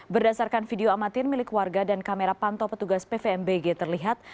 berdasarkan video amatir milik warga dan kamera pantau petugas pvmbg terlihat